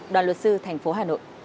đoàn luật sư thành phố hà nội